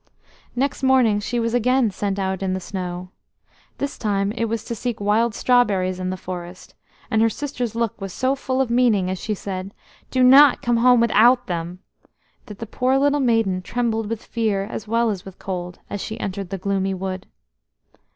EXT morning she was again sent out in the snow. This time it was to seek wild strawberries in the forest, and her sister's look was so full of meaning as she said, "Do not come home without them!" that the poor little maiden trembled with fear as well as with cold as she entered the gloomy wood.